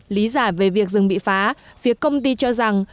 lý giải về việc rừng bị phá phía công ty cho rằng